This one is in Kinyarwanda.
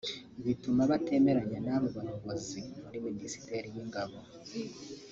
bituma batemeranya n’abo bayobozi muri Minisiteri y’ingabo